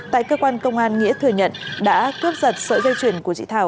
tại cơ quan công an nghĩa thừa nhận đã cướp giật sợi dây chuyền của chị thảo